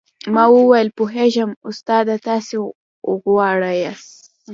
ما وويل پوهېږم استاده تاسې غواړاست.